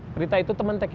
berita itu temen tekik nanti